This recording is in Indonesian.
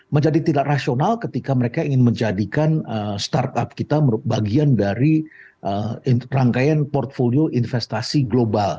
menjadi tidak rasional ketika mereka ingin menjadikan startup kita bagian dari rangkaian portfolio investasi global